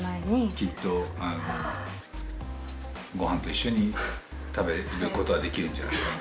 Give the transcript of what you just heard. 「きっとあのご飯と一緒に食べることはできるんじゃないかなと」